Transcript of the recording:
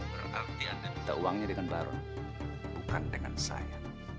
berarti anda minta uangnya dengan baru bukan dengan saya